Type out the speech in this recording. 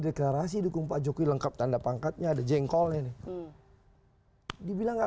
deklarasi dukung pak jokowi lengkap tanda pangkatnya ada jengkol ini hai dibilang nggak